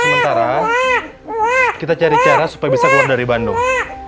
sementara kita cari cara supaya bisa keluar dari bandung